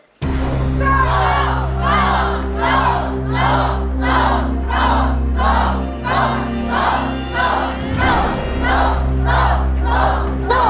เพลงที่๒มาเลยครับ